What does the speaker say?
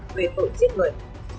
về vụ giết người